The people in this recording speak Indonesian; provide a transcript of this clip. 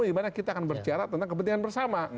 dimana kita akan berjarak tentang kepentingan bersama